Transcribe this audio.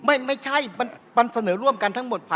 ไม่ใช่มันเสนอร่วมกันทั้งหมด